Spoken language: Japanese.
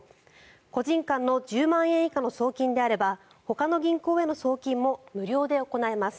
個人間の１０万円以下の送金であればほかの銀行への送金も無料で行えます。